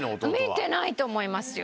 見てないと思いますよ